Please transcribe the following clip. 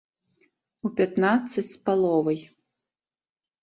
У пятнаццаць з паловай.